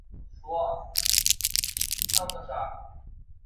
大部分种类的植物都是国立武汉大学建立后引种的。